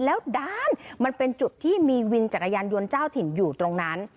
แล้วด้านมันเป็นจุดที่มีวินจักรยานยนต์เจ้าถิ่นอยู่ตรงนั้น